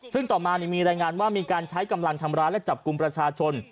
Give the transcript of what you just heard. ซึ่งต่อมามีรายงานว่ามีการใช้กำลังทำร้ายและจับกลุ่มประชาชน